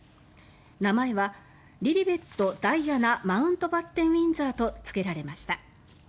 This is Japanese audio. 名前はリリベット・ダイアナ・マウントバッテン・ウィンザーとつけられました。